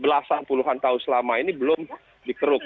karena masih banyak lahan lahan kita yang belum dikeruk